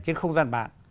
trên không gian mạng